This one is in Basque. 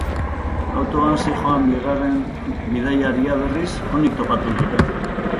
Autoan zihoan bigarren bidaiaria, berriz, onik topatu dute.